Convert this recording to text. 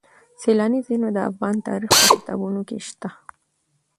سیلاني ځایونه د افغان تاریخ په کتابونو کې شته.